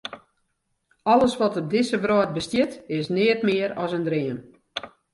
Alles wat op dizze wrâld bestiet, is neat mear as in dream.